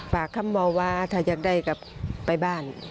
ฝากคำบอกว่าถ้าอยากได้กลับไปบ้าน